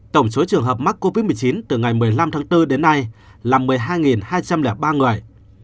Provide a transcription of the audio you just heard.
tổng số trường hợp mắc covid một mươi chín từ ngày một mươi năm tháng bốn đến nay là một mươi hai hai trăm linh ba người